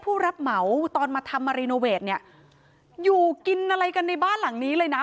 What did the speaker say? ผู้รับเหมาตอนมาทำมารีโนเวทเนี่ยอยู่กินอะไรกันในบ้านหลังนี้เลยนะ